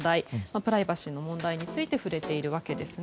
プライバシーの問題について触れているわけですね。